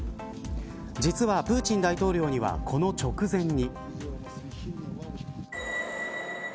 実は、プーチン大統領にはこの直前に。